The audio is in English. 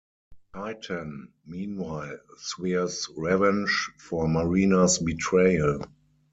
Titan, meanwhile, swears revenge for Marina's betrayal.